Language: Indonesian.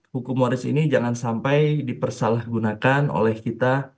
hukum waris ini jangan sampai dipersalahgunakan oleh kita